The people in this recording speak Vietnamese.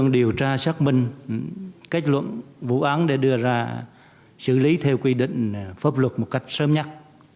điều tra xác minh kết luận vụ án để đưa ra xử lý theo quy định pháp luật một cách sớm nhất